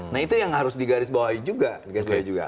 nah itu yang harus digarisbawahi juga sebenarnya